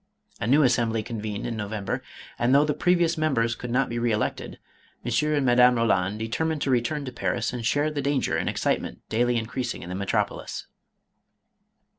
A new Assembly convened in No vember, and though the previous members could not be re elected, M. and Madame Roland determined to return to Paris and share the danger and excitement daily increasing in the metropolis.